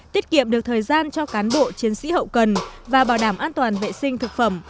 tiết kiệm được thời gian cho cán bộ chiến sĩ hậu cần và bảo đảm an toàn vệ sinh thực phẩm